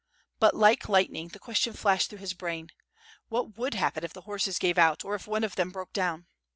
But like lightning the question flashed through his brain: "What would happen if the horses gave out, or if one of them broke down?''